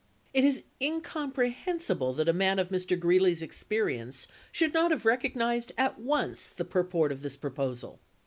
It is incomprehen sible that a man of Mr. Greeley's experience should not have recognized at once the purport of this proposal.